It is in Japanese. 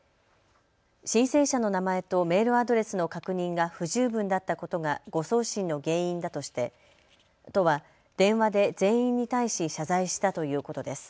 申請者の名前とメールアドレスの確認が不十分だったことが誤送信の原因だとして都は電話で全員に対し謝罪したということです。